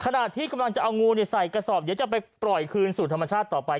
ขณะที่กำลังจะเอางูใส่กระสอบเดี๋ยวจะไปปล่อยคืนสู่ธรรมชาติต่อไป